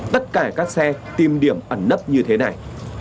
tất cả các xe tìm điểm ẩn nấp như thế này